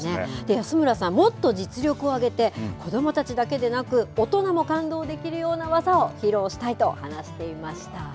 安村さん、もっと実力を上げて子どもたちだけでなく大人も感動できるような技を披露したいと話していました。